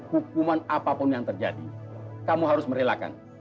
hukuman apapun yang terjadi kamu harus merelakan